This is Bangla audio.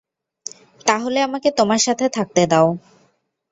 তাহলে আমাকে তোমার সাথে থাকতে দাও।